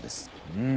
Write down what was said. うん。